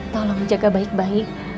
tolong jaga baik baik